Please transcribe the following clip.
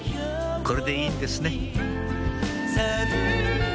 これでいいんですね